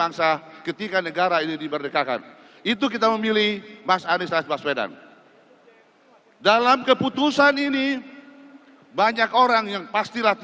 assalamualaikum warahmatullahi wabarakatuh